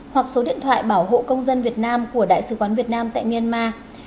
một trăm một mươi tám hoặc số điện thoại bảo hộ công dân việt nam của đại sứ quán việt nam tại myanmar